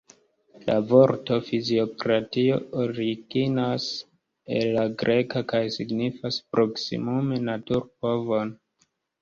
La vorto fiziokratio originas el la greka kaj signifas proksimume naturpovon.